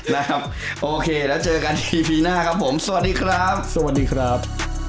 นะครับโอเคแล้วเจอกันในปีหน้าครับผมสวัสดีครับสวัสดีครับ